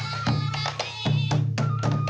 สวัสดีครับ